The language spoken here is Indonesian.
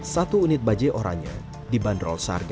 satu unit bajai orangnya dibanderol sang bajai orangnya